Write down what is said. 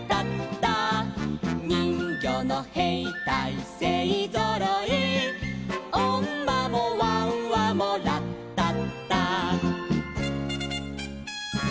「にんぎょうのへいたいせいぞろい」「おんまもわんわもラッタッタ」